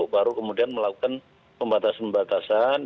baru kemudian melakukan pembatasan pembatasan